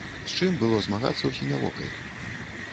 З чым было змагацца ў сінявокай?